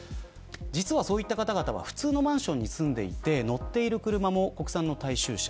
実は、そういった方々は普通のマンションに住んでいて乗っている車も国産の大衆車。